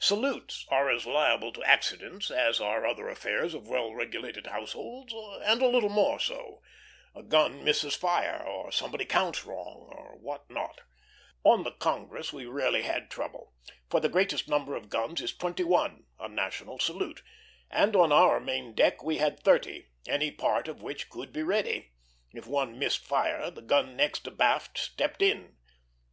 Salutes are as liable to accidents as are other affairs of well regulated households, and a little more so; a gun misses fire, or somebody counts wrong, or what not. On the Congress we rarely had trouble, for the greatest number of guns is twenty one a national salute and on our main deck we had thirty, any part of which could be ready. If one missed fire, the gun next abaft stepped in.